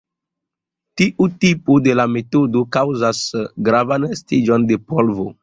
Tiu tipo de la metodo kaŭzas gravan estiĝon de polvo.